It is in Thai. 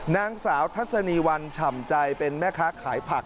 นางสาวทัศนีวันฉ่ำใจเป็นแม่ค้าขายผัก